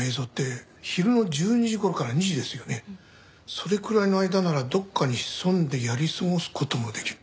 それくらいの間ならどこかに潜んでやり過ごす事もできる。